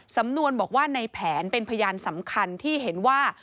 สำนวนบอกว่าในแผนเป็นพยานสำคัญที่เห็นว่า